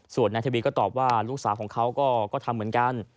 ส่วนนายทวีก็ตอบว่าลูกสาวของเขาก็ทำเหมือนกัน